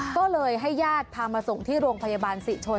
ก็เลยให้ญาติพามาส่งที่โรงพยาบาลศรีชน